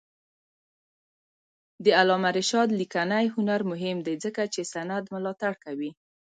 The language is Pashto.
د علامه رشاد لیکنی هنر مهم دی ځکه چې سند ملاتړ کوي.